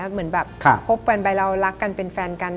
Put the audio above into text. เหมือนควบกันรักกันเป็นแฟนกัน